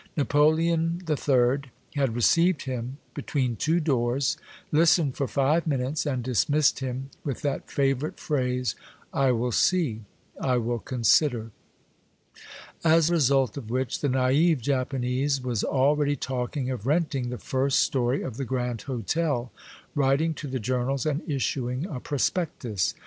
Napoleon III. had received him between two doors, listened for five minutes, and dismissed him with that favorite phrase, " I will see. I will consider." As result of which, the naive Japanese was already talking of renting the first story of the Grand Hotel, writing to the journals, and Issuing a prospectus.